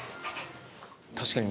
確かに。